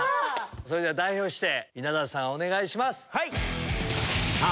それでは代表して稲田さんお願いします。